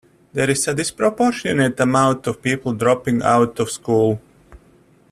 There is a disproportionate amount of people dropping out of school.